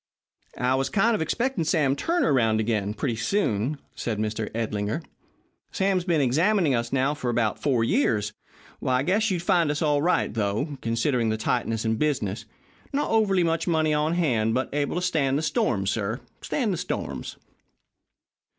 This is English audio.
"I was kind of expecting Sam Turner round again, pretty soon," said Mr. Edlinger. "Sam's been examining us now, for about four years. I guess you'll find us all right, though, considering the tightness in business. Not overly much money on hand, but able to stand the storms, sir, stand the storms."